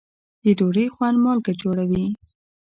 د ډوډۍ خوند مالګه جوړوي.